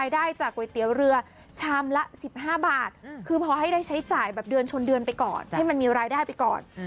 เดือนชนเดือนไปก่อนให้มันมีรายได้ไปก่อน